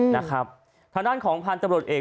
นะครับทางด้านของพันธุ์ตำรวจเอก